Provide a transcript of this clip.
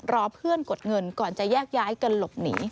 รอเพื่อนกดเงินก่อนจะแยกย้ายกันหลบหนี